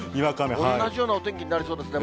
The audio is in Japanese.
同じようなお天気になりそうですね。